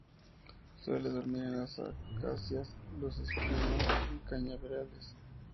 Suele dormir en las acacias, los espinos y cañaverales.